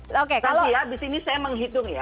nanti ya abis ini saya menghitung ya